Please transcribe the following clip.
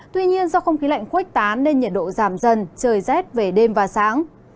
tuy nhiên do không khí lạnh khuếch tán nên nhiệt độ giảm dần trời rét về đêm và sáng